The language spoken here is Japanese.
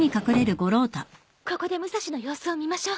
ここで武蔵の様子を見ましょう。